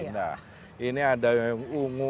nah ini ada yang ungu